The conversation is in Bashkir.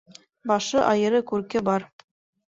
Башы айыры күрке бар